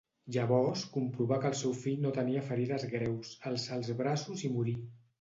Llavors comprovà que el seu fill no tenia ferides greus, alçà els braços i morí.